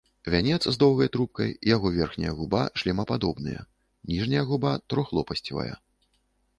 Вянец з доўгай трубкай, яго верхняя губа шлемападобныя, ніжняя губа трохлопасцевая.